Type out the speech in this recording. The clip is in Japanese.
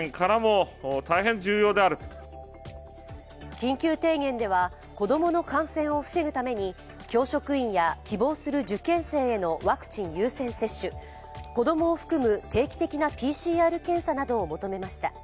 緊急提言では、子供の感染を防ぐために教職員や希望する受験生へのワクチン優先接種子供を含む定期的なＰＣＲ検査などを求めました。